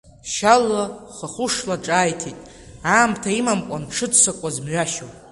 Шьалуа хахәышла ҿааиҭит, аамҭа имамкәан дшыццакуаз мҩашьо.